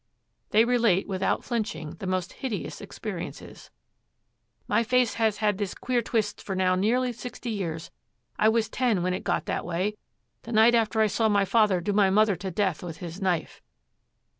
They relate without flinching the most hideous experiences. 'My face has had this queer twist for now nearly sixty years; I was ten when it got that way, the night after I saw my father do my mother to death with his knife.'